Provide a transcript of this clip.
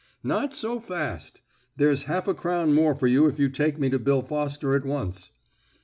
"Not so fast. There's half a crown more for you if you take me to Bill Foster at once."